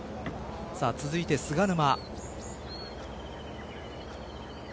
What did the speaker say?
続いて菅沼。